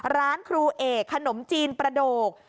ร้านครูเอกขนมจีนประโดก